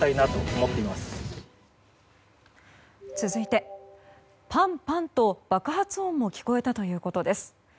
続いてパンパンと爆発音も聞こえたということです。